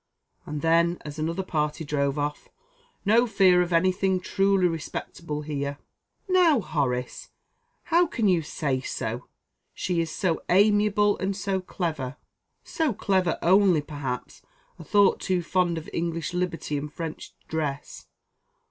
And then, as another party drove off "No fear of any thing truly respectable here." "Now, Horace, how can you say so? she is so amiable and so clever." "So clever? only, perhaps, a thought too fond of English liberty and French dress.